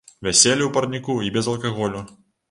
Вяселле ў парніку і без алкаголю.